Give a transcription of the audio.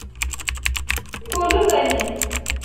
twuzuzanye